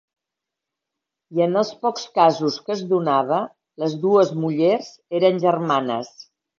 I en els pocs casos que es donava, les dues mullers eren germanes.